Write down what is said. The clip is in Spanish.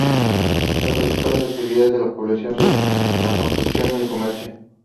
Las principales actividades de la población son la construcción y el comercio.